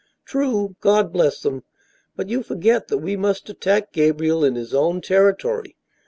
"True, God bless them; but you forget that we must attack Gabriel in his own territory.